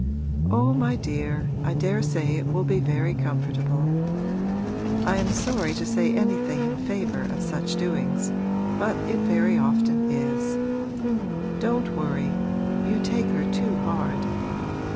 'Oh, my dear, I daresay it will be very comfortable; I am sorry to say anything in favour of such doings, but it very often is. Don't worry; you take her too hard.